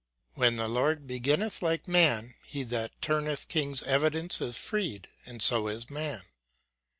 When the Lord beginneth like man, he that turneth king's evidence is freed, and so is man.